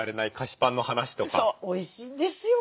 おいしいんですよ